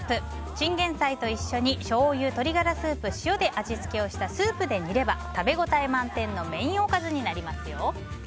チンゲンサイと一緒にしょうゆ、鶏ガラスープ、塩で味付けをしたスープで煮れば食べ応え満点のメインおかずになります。